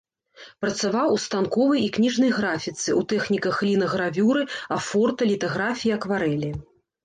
Працаваў у станковай і кніжнай графіцы, у тэхніках лінагравюры, афорта, літаграфіі, акварэлі.